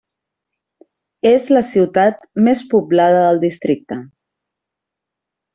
És la ciutat més poblada del districte.